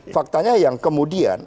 faktanya yang kemudian